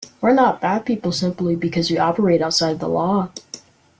We are not bad people simply because we operate outside of the law.